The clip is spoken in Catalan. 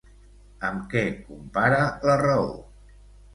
Amb què compara la raó?